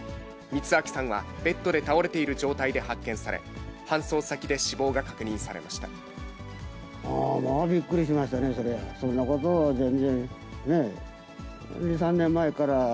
光昭さんはベッドで倒れている状態で発見され、搬送先で死亡が確びっくりしましたね、それは。